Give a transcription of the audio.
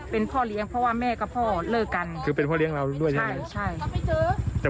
เป็นพ่อเลี้ยงเพราะว่าแม่กับพ่อเลิกกันคือเป็นพ่อเลี้ยงเราด้วยใช่ไหม